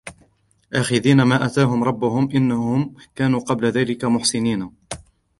آخِذِينَ مَا آتَاهُمْ رَبُّهُمْ إِنَّهُمْ كَانُوا قَبْلَ ذَلِكَ مُحْسِنِينَ